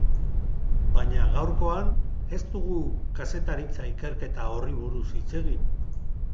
Baina gaurkoan ez dugu kazetaritza ikerketa horri buruz hitz egin.